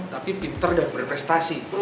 tapi pinter dan berprestasi